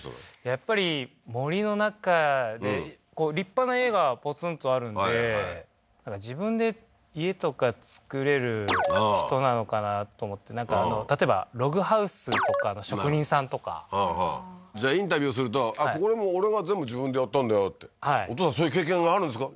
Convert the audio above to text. やっぱり森の中で立派な家がポツンとあるんで自分で家とか造れる人なのかなと思ってなんか例えばログハウスとかの職人さんとかはあはあじゃあインタビューすると「あっこれもう俺が全部自分でやったんだよ」ってはい「お父さんそういう経験があるんですか？」